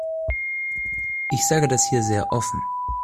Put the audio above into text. Ich sage das hier sehr offen.